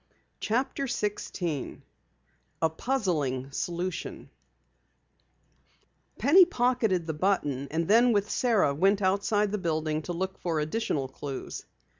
CHAPTER 16 A PUZZLING SOLUTION Penny pocketed the button and then with Sara went outside the building to look for additional clues.